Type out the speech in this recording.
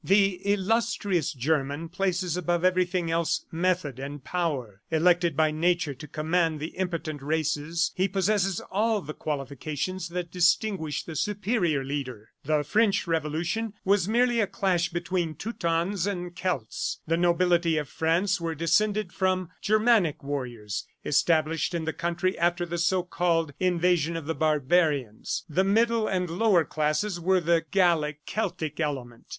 The illustrious German places above everything else, Method and Power. Elected by Nature to command the impotent races, he possesses all the qualifications that distinguish the superior leader. The French Revolution was merely a clash between Teutons and Celts. The nobility of France were descended from Germanic warriors established in the country after the so called invasion of the barbarians. The middle and lower classes were the Gallic Celtic element.